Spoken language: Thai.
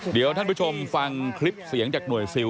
เดี๋ยวท่านผู้ชมฟังคลิปเสียงจากหน่วยซิล